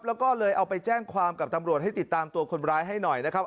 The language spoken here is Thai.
แล้วก็เลยเอาไปแจ้งความกับตำรวจให้ติดตามตัวคนร้ายให้หน่อยนะครับ